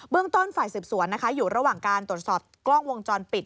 เรื่องต้นฝ่ายสืบสวนนะคะอยู่ระหว่างการตรวจสอบกล้องวงจรปิด